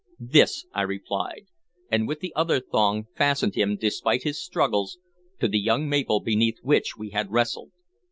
"This," I replied, and with the other thong fastened him, despite his struggles, to the young maple beneath which we had wrestled.